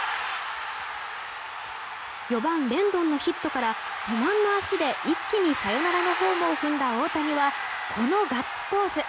４番、レンドンのヒットから自慢の足で一気にサヨナラのホームを踏んだ大谷はこのガッツポーズ。